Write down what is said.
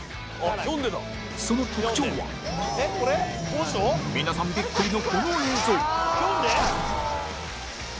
その特徴は皆さんびっくりのこの映像。